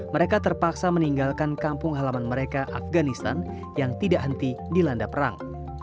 mereka terpaksa meninggalkan kampung halaman mereka afganistan yang tidak henti dilanda perang